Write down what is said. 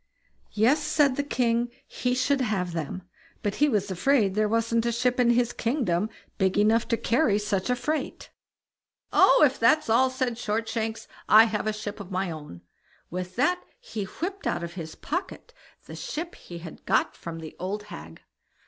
Yes! the king said he should have them, but he was afraid there wasn't a ship in his kingdom big enough to carry such a freight. "Oh! if that's all", said Shortshanks, "I have a ship of my own." With that he whipped out of his pocket the ship he had got from the old hag.